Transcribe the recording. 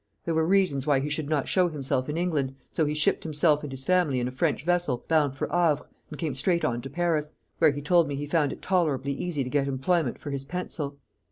There were reasons why he should not show himself in England, so he shipped himself and his family in a French vessel bound for Havre, and came straight on to Paris, where he told me he found it tolerably easy to get employment for his pencil.